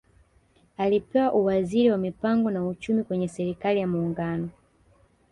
Alipewa uwaziri wa Mipango na Uchumi kwenye Serikali ya Muungano